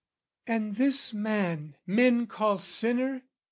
And this man, men call sinner?